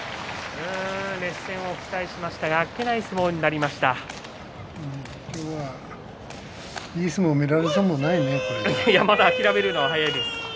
熱戦を期待しましたが今日はまだ諦めるのは早いです。